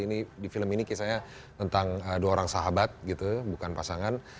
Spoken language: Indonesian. ini di film ini kisahnya tentang dua orang sahabat gitu bukan pasangan